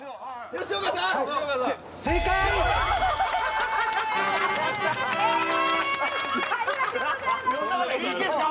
吉岡さんいいんですか？